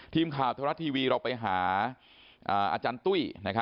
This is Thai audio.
ทีมข่าวเทพฤติทรัพย์ทีวีเราไปหาอุ๊ย